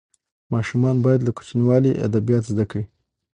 ماشومان باید له کوچنیوالي ادبیات زده کړي.